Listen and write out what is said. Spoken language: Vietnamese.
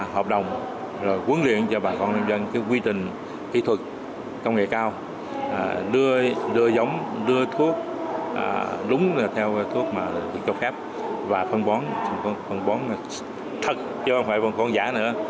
hợp đồng rồi quấn luyện cho bà con nông dân cái quy trình kỹ thuật công nghệ cao đưa giống đưa thuốc đúng là theo thuốc mà được cho khép và phân bón thật chứ không phải phân bón giả nữa